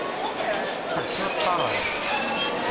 Ḥbes ur qqaṛ ara!